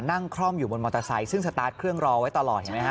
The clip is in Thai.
คล่อมอยู่บนมอเตอร์ไซค์ซึ่งสตาร์ทเครื่องรอไว้ตลอดเห็นไหมฮ